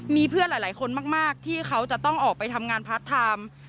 มีเพื่อนหลายคนมากที่เขาจะต้องออกไปทำงานพาร์ทไทม์